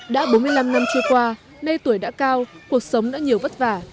đã bốn mươi năm năm trôi qua nay tuổi đã cao cuộc sống đã nhiều vất vả